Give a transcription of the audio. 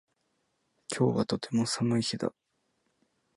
今日はとても寒い日だ